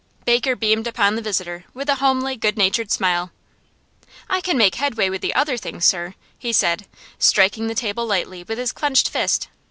Baker beamed upon the visitor with a homely, good natured smile. 'I can make headway with the other things, sir,' he said, striking the table lightly with his clenched fist.